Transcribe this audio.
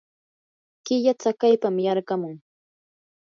killa tsakaypam yarqamun.